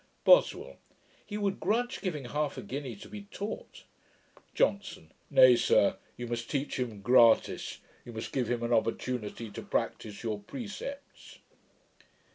BOSWELL. 'He would grudge giving half a guinea to be taught' JOHNSON. 'Nay, sir, you must teach him gratis. You must give him an opportunity to practice your precepts.'